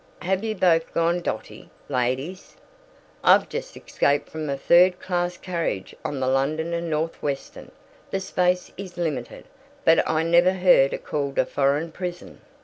Have you both gone dotty, ladies? I've just escaped from a third class carriage on the London and Northwestern. The space is limited, but I never heard it called a foreign prison."